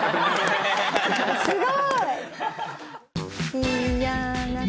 すごい。